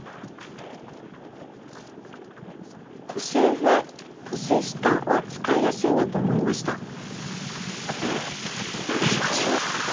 「年上」「年下」は使いやすいなと思いました。